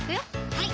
はい